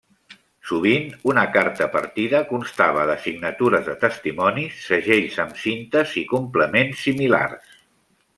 Sovint, una carta partida constava de signatures de testimonis, segells amb cintes i complements similars.